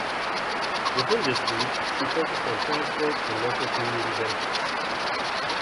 Within this brief, she focussed on transport and local community benefits.